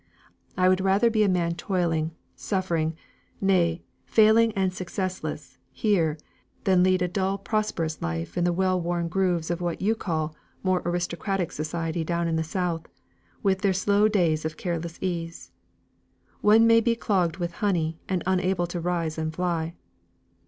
I would rather be a man toiling, suffering nay, failing and successless here, than lead a dull prosperous life in the old worn grooves of what you call more aristocratic society down in the South, with their slow days of careless ease. One may be clogged with honey and unable to rise and fly."